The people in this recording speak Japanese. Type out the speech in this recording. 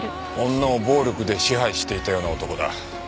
女を暴力で支配していたような男だ。